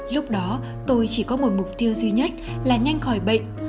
lúc đó tôi chỉ có một mục tiêu duy nhất là nhanh khỏi bệnh